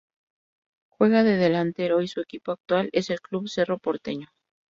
Juega de delantero y su equipo actual es el Club Cerro Porteño.